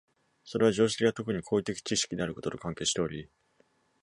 それは常識が特に行為的知識であることと関係しており、